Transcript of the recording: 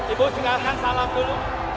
ibu silahkan salam dulu